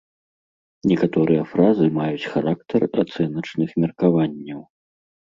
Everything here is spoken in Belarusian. Некаторыя фразы маюць характар ацэначных меркаванняў.